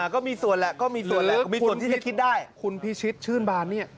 ก็มีส่วนแหละคุณพิชิตชื่นบานเนี่ย